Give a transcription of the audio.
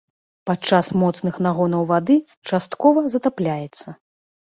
Падчас моцных нагонаў вады часткова затапляецца.